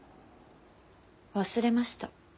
忘れました。